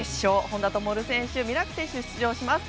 本多灯選手、ミラーク選手が出場します。